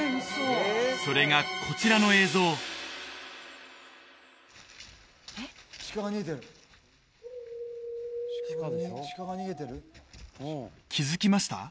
それがこちらの映像気づきました？